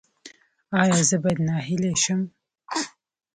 ایا زه باید ناهیلي شم؟